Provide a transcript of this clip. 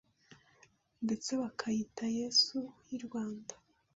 ndetse bakayita Yesu y’i Rwanda.